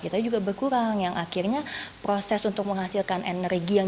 kita juga berkurang yang akhirnya proses untuk menghasilkan energi yang